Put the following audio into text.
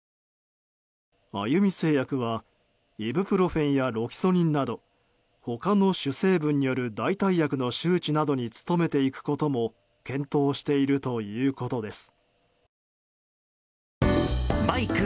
あゆみ製薬はイブプロフェンやロキソニンなど他の主成分による代替薬の周知などに努めていくことも検討しているということです。